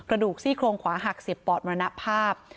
กระดูกซี่โครงขวาหัก๑๐ปอดมรณภาพ